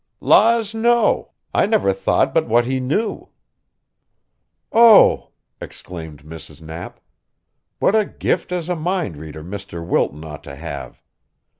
"Laws, no! I never thought but what he knew." "Oh!" exclaimed Mrs. Knapp. "What a gift as a mind reader Mr. Wilton ought to have!